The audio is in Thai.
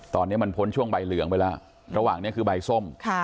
ตอนนี้มันพ้นช่วงใบเหลืองไปแล้วระหว่างนี้คือใบส้ม